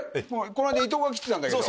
この間伊藤が来てたんだけど。